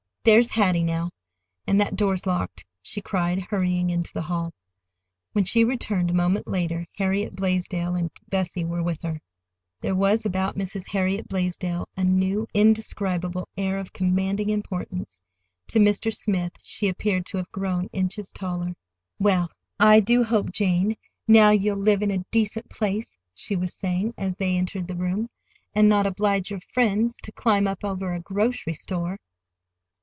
"There's Hattie, now, and that door's locked," she cried, hurrying into the hall. When she returned a moment later Harriet Blaisdell and Bessie were with her. There was about Mrs. Harriet Blaisdell a new, indescribable air of commanding importance. To Mr. Smith she appeared to have grown inches taller. "Well, I do hope, Jane, now you'll live in a decent place," she was saying, as they entered the room, "and not oblige your friends to climb up over a grocery store."